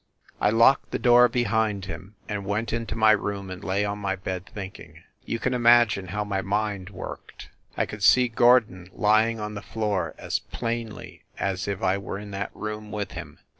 I locked the door behind him, and went into my room and lay on my bed thinking ... you can imagine how my mind worked. ... I could see Gordon lying on the floor as plainly as if I were in that room with him